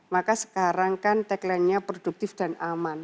maka sekarang kan tagline nya produktif dan aman